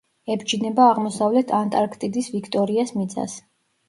ებჯინება აღმოსავლეთ ანტარქტიდის ვიქტორიას მიწას.